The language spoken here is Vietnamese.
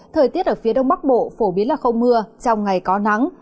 thời tiết ở phía đông bắc bộ phổ biến là không mưa trong ngày có nắng